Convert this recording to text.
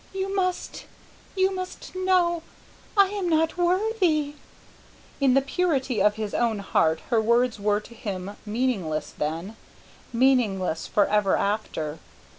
You must you must know I am not worthy " In the purity of his own heart her words were, to him, meaningless then, meaningless for ever after.